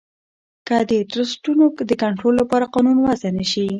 که د ټرسټونو د کنترول لپاره قانون وضعه نه شي